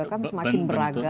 bentuknya semakin beragam